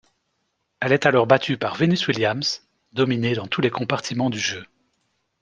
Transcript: Elle est alors battue par Venus Williams, dominée dans tous les compartiments du jeu.